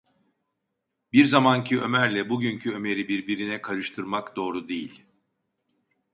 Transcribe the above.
Bir zamanki Ömer’le bugünkü Ömer’i birbirine karıştırmak doğru değil…